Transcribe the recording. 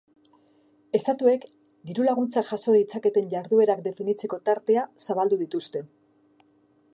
Estatuek dirulaguntzak jaso ditzaketen jarduerak definitzeko tartea zabaldu dituzte.